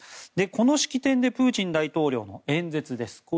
この式典でのプーチン大統領の演説です。